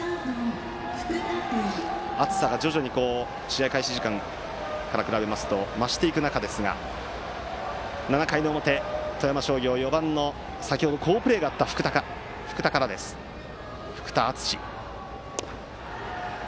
暑さが徐々に試合開始時間から比べますと増していく中ですが７回の表、富山商業は先程好プレーのあった４番の福田敦士から。